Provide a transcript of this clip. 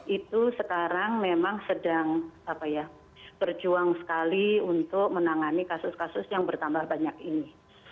itu sekarang memang sedang berjuang sekali untuk menangani kasus kasus yang bertambah banyak ini